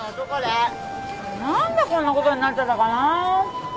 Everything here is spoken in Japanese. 何でこんなことになっちゃったかな？